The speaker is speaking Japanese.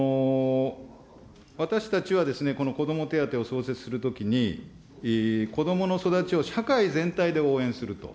私たちはこの子ども手当を創設するときに、子どもの育ちを社会全体で応援すると。